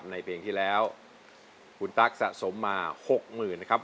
ในเพลงที่แล้วคุณตาคสะสมมา๖๐๐๐๐บาท